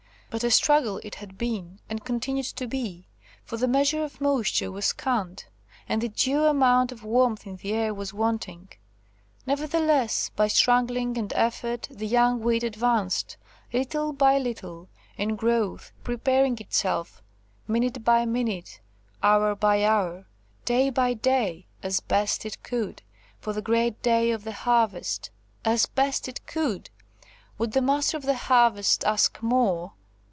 But a struggle it had been, and continued to be, for the measure of moisture was scant, and the due amount of warmth in the air was wanting. Nevertheless, by struggling and effort the young wheat advanced, little by little, in growth; preparing itself, minute by minute–hour by hour–day by day, as best it could, for the great day of the harvest.–As best it could! Would the Master of the Harvest ask more?